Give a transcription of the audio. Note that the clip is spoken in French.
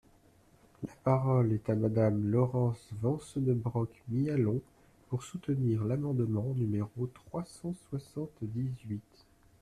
La parole est à Madame Laurence Vanceunebrock-Mialon, pour soutenir l’amendement numéro trois cent soixante-dix-huit.